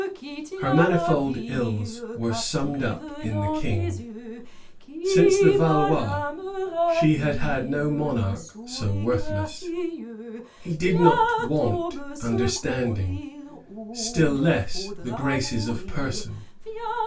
Her manifold ills were summed up in the King. Since the Valois, she had had no monarch so worthless. He did not want understanding, still less the graces of person.